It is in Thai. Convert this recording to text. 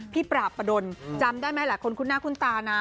ปราบประดนจำได้ไหมหลายคนคุ้นหน้าคุ้นตานะ